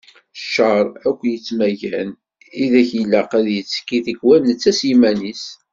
Cceṛ akk yettmaggan ideg ilaq ad yettekki tikwal netta s yiman-is.